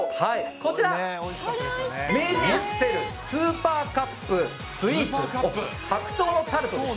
こちら、明治エッセルスーパーカップスイーツ白桃タルトです。